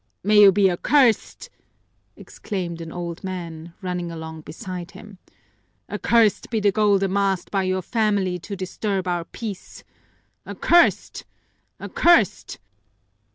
"May you be accursed!" exclaimed an old man, running along beside him. "Accursed be the gold amassed by your family to disturb our peace! Accursed! Accursed!"